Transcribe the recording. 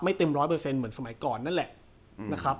เต็มร้อยเปอร์เซ็นเหมือนสมัยก่อนนั่นแหละนะครับ